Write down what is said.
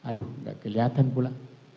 tidak kelihatan pula